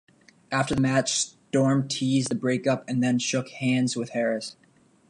After the match, Storm teased the breakup and then shook hands with Harris.